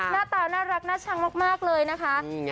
หน้าตาน่ารักน่าชังมากเลยนะคะ